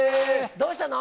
どうしたの？